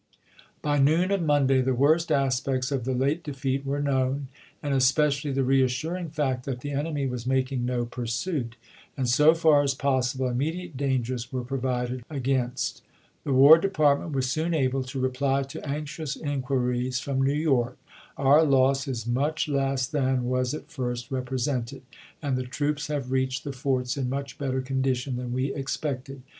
By noon of Monday the worst aspects of the late defeat were known ; and especially the reassuring fact that the enemy was making no pursuit ; and so far as possible immediate dangers were provided BULL RUN 357 « against. The War Department was soon able to chap.xx. reply to anxious inquiries from New York :" Our loss is much less than was at first represented, and the troops have reached the forts in much better condition than we expected."